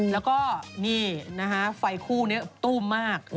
แล้วก็นี่นะคะไฟคู่นี้ตู้มมาก